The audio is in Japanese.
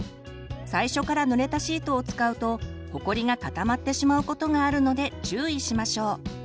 最初からぬれたシートを使うとほこりが固まってしまうことがあるので注意しましょう。